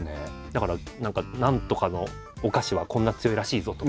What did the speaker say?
だから何か何とかのお菓子はこんな強いらしいぞとか。